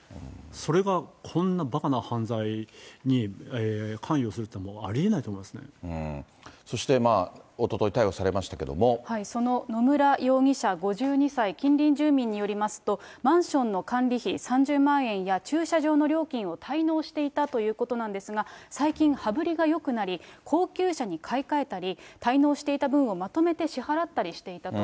それがこんなばかな犯罪に関与するというのはありえないと思いまそしてまあ、その野村容疑者５２歳、近隣住民によりますと、マンションの管理費３０万円や駐車場の料金を滞納していたということなんですが、最近、羽振りがよくなり、高級車に買い替えたり、滞納していた分をまとめて支払ったりしていたと。